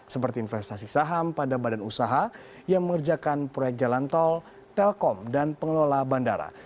seperti investasi saham pada badan usaha yang mengerjakan proyek jalan tol telkom dan pengelola bandara